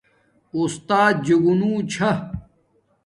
اُستات جنگونو چھا